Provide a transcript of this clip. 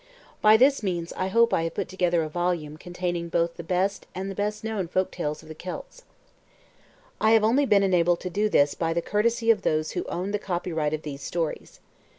By this means I hope I have put together a volume, containing both the best, and the best known folk tales of the Celts. I have only been enabled to do this by the courtesy of those who owned the copyright of these stories.